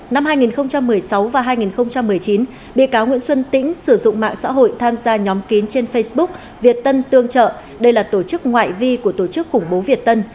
năm hai nghìn một mươi sáu và hai nghìn một mươi chín bị cáo nguyễn xuân tĩnh sử dụng mạng xã hội tham gia nhóm kín trên facebook việt tân tương trợ đây là tổ chức ngoại vi của tổ chức khủng bố việt tân